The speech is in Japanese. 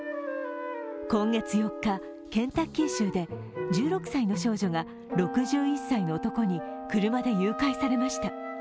今月４日ケンタッキー州で１６歳の少女が、６１歳の男に車で誘拐されました。